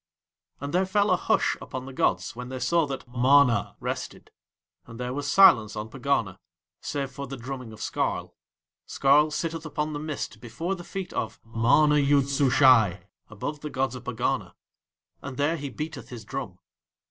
And there fell a hush upon the gods when they saw that MANA rested, and there was silence on Pegana save for the drumming of Skarl. Skarl sitteth upon the mist before the feet of MANA YOOD SUSHAI, above the gods of Pegana, and there he beateth his drum.